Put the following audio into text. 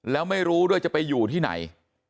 แล้วไม่รู้ด้วยจะไปอยู่ที่ไหน